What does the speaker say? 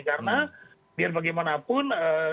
karena biar bagaimanapun